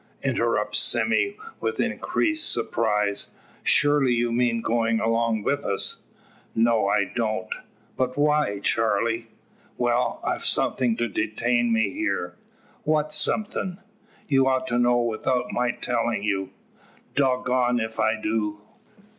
interrupts Sime with increased surprise, "Surely you mean goin' along wi' us?" "No, I don't." "But why, Charley?" "Well, I've something to detain me here." "What somethin'?" "You ought to know without my telling you." "Dog goned ef I do."